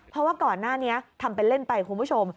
เพราะว่าก่อนหน้านี้ทำเป็นเล่นไปคุณผู้ชม